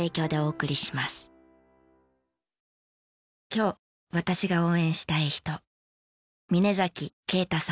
今日私が応援したい人。